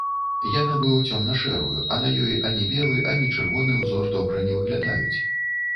Я набыў цёмна-шэрую, а на ёй ані белы, ані чырвоны ўзор добра не выглядаюць.